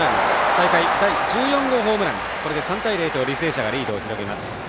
大会第１４号ホームランこれで３対０と履正社がリードを広げます。